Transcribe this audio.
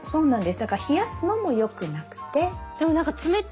だから冷やすのもよくなくて。